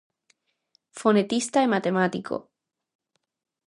Fonetista e matemático.